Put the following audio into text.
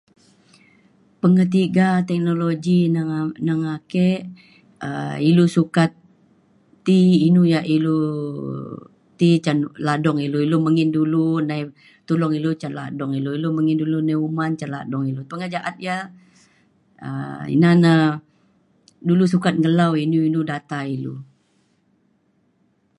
Pe'nge'tiga teknologi neng neng'na ake um ilou sukat ti inou yak ilou ti cen' ladong ilou, ilou me'ngin dulue nei tulung ilou cin ladong ilou, ilou me'ngin dulue uman cin ladong ilou, pengeja'at ya um ina na dulue sukat nge'lau inou-inou data ilou